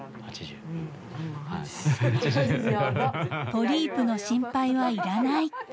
［「ポリープの心配はいらない」］